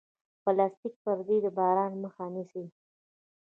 پلاستيکي پردې د باران مخه نیسي.